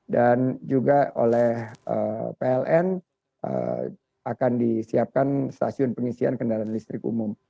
dan juga oleh pln akan disiapkan stasiun pengisian kendaraan listrik umum